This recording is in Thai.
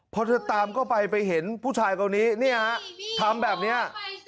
พอเธอตามเข้าไปไปเห็นผู้ชายคนนี้เนี่ยฮะทำแบบนี้